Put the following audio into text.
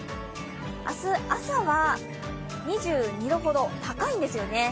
明日朝は２２度ほど、高いんですよね